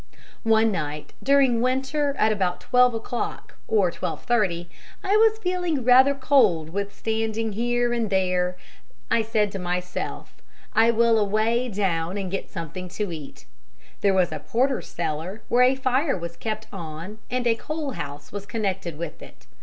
One night during winter at about 12 o'clock or 12.30 I was feeling rather cold with standing here and there; I said to myself, 'I will away down and get something to eat.' There was a porter's cellar where a fire was kept on and a coal house was connected with it.